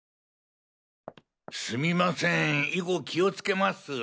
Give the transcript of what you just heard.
すみません以後気をつけます。